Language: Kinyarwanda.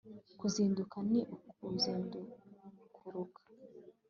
kuzinduka ni ukuzindukuruka